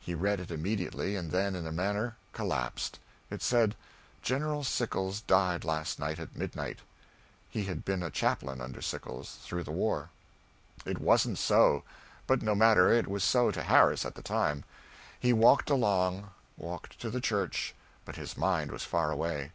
He read it immediately, and then, in a manner, collapsed. It said: "General Sickles died last night at midnight." [He had been a chaplain under Sickles through the war.] [Sidenote: (1880.)] It wasn't so. But no matter it was so to Harris at the time. He walked along walked to the church but his mind was far away.